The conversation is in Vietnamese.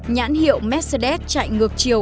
nhãn hiệu mercedes chạy ngược chiều